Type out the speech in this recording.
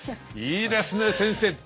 いいですね先生。